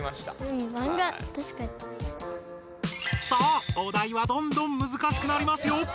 さあお題はどんどんむずかしくなりますよ！